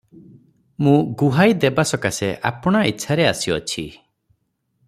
ମୁଁ ଗୁହାଇ ଦେବା ସକାଶେ ଆପଣା ଇଛାରେ ଆସିଅଛି ।